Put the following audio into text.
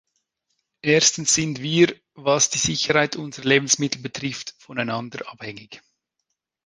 Erstens sind wir, was die Sicherheit unserer Lebensmittel betrifft, voneinander abhängig.